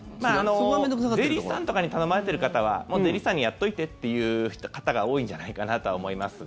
税理士さんとかに頼まれてる方はもう税理士さんにやっといてって言う方が多いんじゃないかなとは思いますが。